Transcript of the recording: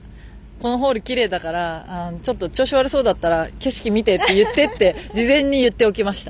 このホールきれいだからちょっと調子悪そうだったら景色見てって言ってって事前に言っておきました。